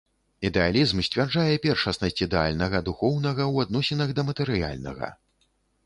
Ідэалізм сцвярджае першаснасць ідэальнага духоўнага ў адносінах да матэрыяльнага.